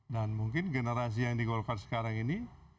dan mungkin generasi yang di golkar sekarang ini